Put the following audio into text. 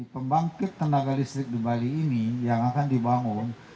pembangkit tenaga listrik di bali ini yang akan dibangun